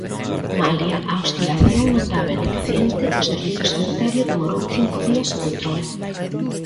Malia a "oscilación notábel do paciente", o servizo sanitario demorou cinco días o control.